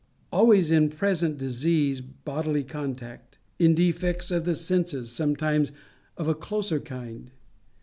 Always in present disease, bodily contact in defects of the senses, sometimes of a closer kind.